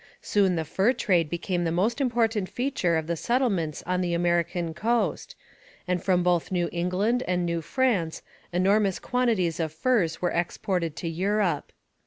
Soon the fur trade became the most important feature of the settlements on the American coast, and from both New England and New France enormous quantities of furs were exported to Europe.